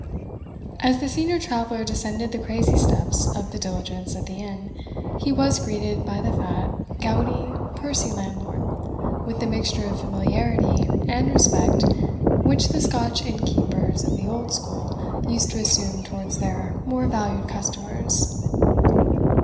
As the senior traveller descended the crazy steps of the diligence at the inn, he was greeted by the fat, gouty, pursy landlord, with that mixture of familiarity and respect which the Scotch innkeepers of the old school used to assume towards their more valued customers.